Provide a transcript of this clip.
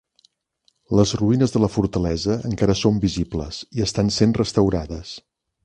Les ruïnes de la fortalesa encara són visibles i estan sent restaurades.